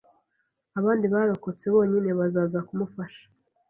abandi barokotse bonyine bazaza kumufasha